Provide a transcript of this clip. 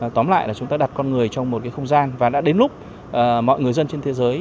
tóm lại là chúng ta đặt con người trong một cái không gian và đã đến lúc mọi người dân trên thế giới